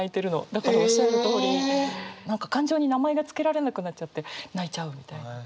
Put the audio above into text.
だからおっしゃるとおり感情に名前がつけられなくなっちゃって泣いちゃうみたいな。